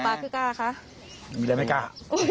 มีอะไรไม่กล้า